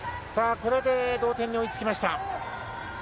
これで同点に追いつきました。